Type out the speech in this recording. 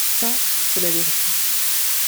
Ça, c’est la vérité.